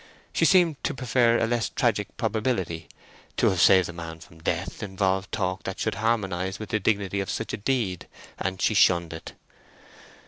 She seemed to prefer a less tragic probability; to have saved a man from death involved talk that should harmonise with the dignity of such a deed—and she shunned it.